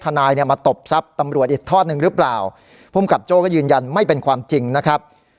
นายเนี่ยมาตบทรัพย์ตำรวจอีกทอดหนึ่งหรือเปล่าภูมิกับโจ้ก็ยืนยันไม่เป็นความจริงนะครับ